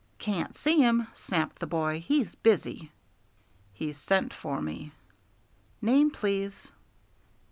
"Can't see him," snapped the boy; "he's busy." "He sent for me." "Name, please."